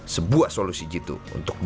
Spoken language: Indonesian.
sebuah solusi gitu untuk berhasil